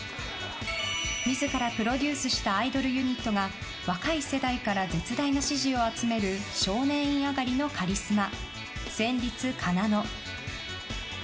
自らプロデュースしたアイドルユニットが若い世代から絶大な支持を集める少年院上がりのカリスマ戦慄かなの。